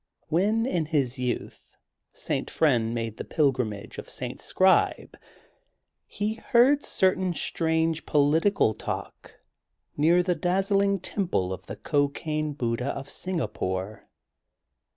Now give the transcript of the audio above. When, in his youth, St. Friend made the Pil grimage of St. Scribe he heard certain strange political talk near the dazzling temple of the cocaine Buddha of Singapore.